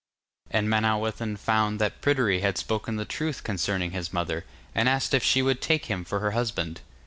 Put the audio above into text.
And Manawyddan found that Pryderi had spoken the truth concerning his mother, and asked if she would take him for her husband.